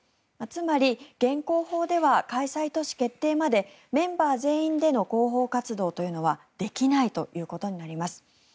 つまり現行法では開催都市決定までメンバー全員での広報活動というのはできないということになります。